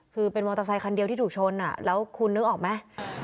คือเป็นมอเตอร์ไซคันเดียวที่ถูกชนแล้วคุณนึกออกไหม